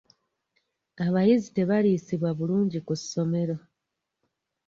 Abayizi tebaliisibwa bulungi ku ssomero.